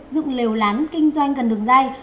dụng lều lán kinh doanh gần đường dây